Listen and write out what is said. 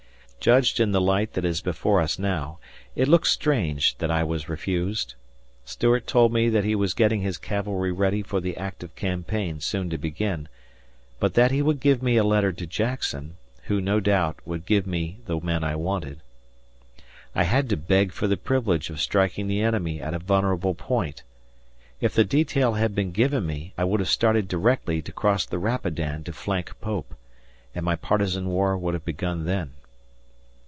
Judged in the light that is before us now, it looks strange that I was refused. Stuart told me that he was getting his cavalry ready for the active campaign soon to begin, but that he would give me a letter to Jackson, who, no doubt, would give me the men I wanted. I had to beg for the privilege of striking the enemy at a vulnerable point. If the detail had been given me, I would have started directly to cross the Rapidan to flank Pope, and my partisan war would have begun then.